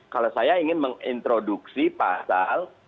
kalau saya ingin mengintroduksi pasal